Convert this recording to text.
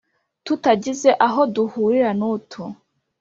Tutagize aho duhurira nutu